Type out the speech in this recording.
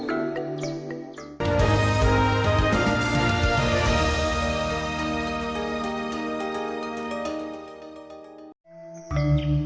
maka kehidupan berlangsung